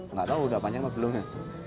nggak tahu udah panjang apa belum ya